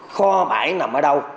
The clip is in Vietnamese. kho bãi nằm ở đâu